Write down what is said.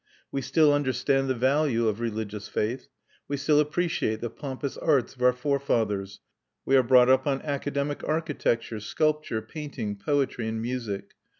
We still understand the value of religious faith; we still appreciate the pompous arts of our forefathers; we are brought up on academic architecture, sculpture, painting, poetry, and music.